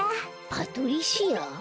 パトリシア？